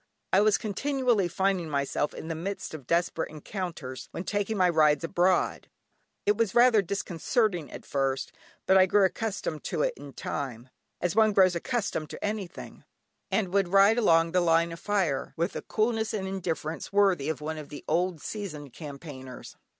I was continually finding myself in the midst of desperate encounters when taking my rides abroad. It was rather disconcerting at first, but I grew accustomed to it in time, as one grows accustomed to anything, and would ride along the line of fire, with a coolness and indifference worthy of one of the old seasoned campaigners.